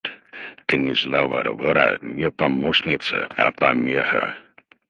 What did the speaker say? Княжна Варвара не помощница, а помеха.